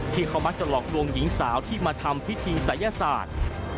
ที่เขามักจะหลอกลวงหญิงสาวที่มาทำพิธีศัยศาสตร์